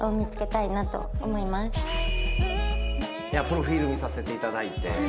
プロフィール見させていただいて。